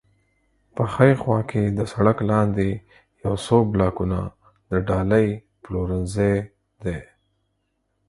په ښي خوا کې د سړک لاندې یو څو بلاکونه د ډالۍ پلورنځی دی.